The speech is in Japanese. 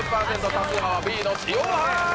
多数派はＢの塩派！